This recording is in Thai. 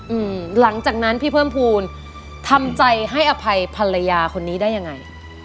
หลังจากนั้นพี่เพิ่มภูมิทำใจให้อภัยภรรยาคนนี้ได้ยังไง